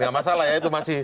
nggak masalah ya itu masih